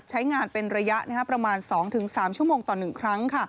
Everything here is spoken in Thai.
ใช้งานเป็นระยะประมาณ๒๓ชั่วโมงต่อ๑ครั้ง